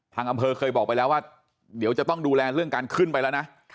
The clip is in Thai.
อำเภอเคยบอกไปแล้วว่าเดี๋ยวจะต้องดูแลเรื่องการขึ้นไปแล้วนะ